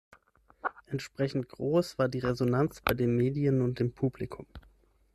Entsprechend groß war die Resonanz bei den Medien und dem Publikum.